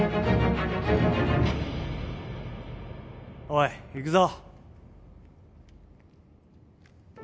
おい行くぞ。